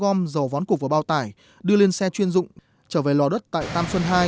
gom dầu vón cục và bao tải đưa lên xe chuyên dụng trở về lò đất tại tam xuân hai